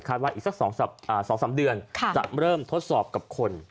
ว่าอีกสัก๒๓เดือนจะเริ่มทดสอบกับคน